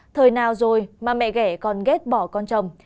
thời nào rồi mà mẹ ghé còn ghét bỏ con chồng